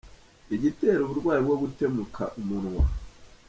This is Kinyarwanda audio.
Igitera uburwayi bwo gutemuka umunwa